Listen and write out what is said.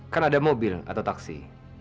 kan ada mobil atau taksi